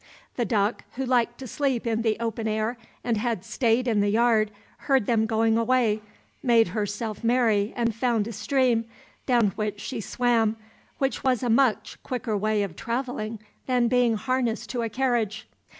The duck who liked to sleep in the open air and had stayed in the yard, heard them going away, made herself merry and found a stream, down which she swam, which was a much quicker way of travelling than being harnessed to a carriage.